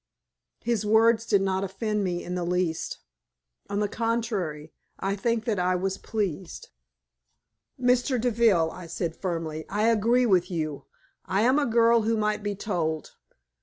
His words did not offend me in the least. On the contrary, I think that I was pleased. "Mr. Deville," I said, firmly, "I agree with you. I am a girl who might be told.